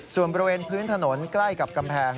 ส่วนบริเวณพื้นถนนใกล้กับกำแพง